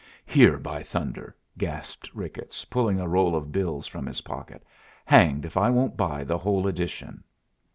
"Here, by thunder!" gasped Ricketts, pulling a roll of bills from his pocket. "Hanged if I won't buy the whole edition."